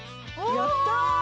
やった！